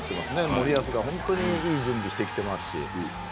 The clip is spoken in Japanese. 森保が本当にいい準備をしてきてますし。